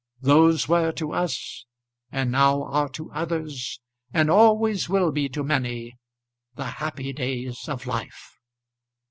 Those were to us, and now are to others, and always will be to many, the happy days of life.